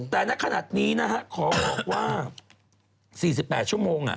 แต่ในขณะนี้นะฮะขอบอกว่า๔๘ชั่วโมง